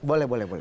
boleh boleh boleh